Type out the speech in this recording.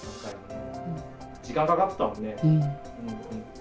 時間かかってたもんね。